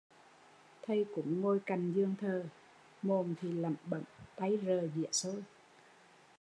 Thầy cúng ngồi cạnh giường thờ, mồm thì lẩm bẩm, tay rờ dĩa xôi